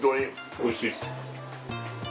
おいしい？